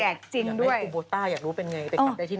อยากให้กุโบต้าอยากรู้เป็นไง